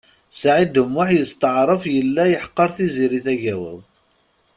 Saɛid U Muḥ yesṭeɛref yella yeḥqer Tiziri Tagawawt.